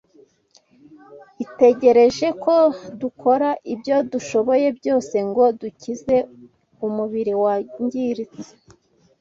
Itegereje ko dukora ibyo dushoboye byose ngo dukize umubiri wangiritse.